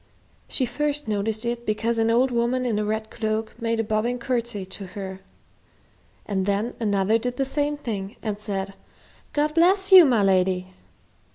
She first noticed it because an old woman in a red cloak made a bobbing courtesy to her, and then another did the same thing and said, "God bless you, my lady!"